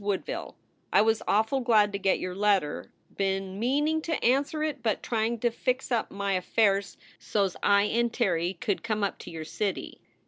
WOODVILLE. I was awful glad to get your letter. Been meaning to anser it but trying to fix up my afairs sos I and Terry could come up to your city.